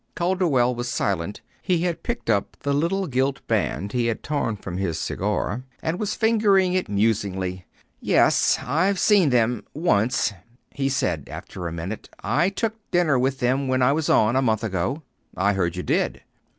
Calderwell was silent. He had picked up the little gilt band he had torn from his cigar and was fingering it musingly. "Yes; I've seen them once," he said, after a minute. "I took dinner with them when I was on, a month ago." "I heard you did."